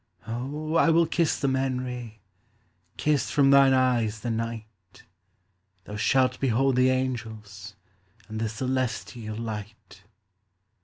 "Oh, I will kiss them, Henry, Kiss from thine eyes the night. Thou shalt behold the angels And the celestial light."